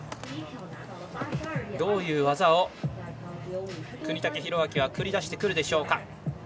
どういう技を國武大晃は繰り出してくるでしょうか。